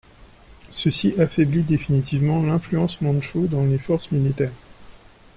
Ceci affaiblit définitivement l'influence mandchoue dans les forces militaires.